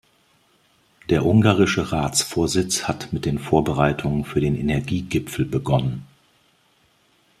Der ungarische Ratsvorsitz hat mit den Vorbereitungen für den Energiegipfel begonnen.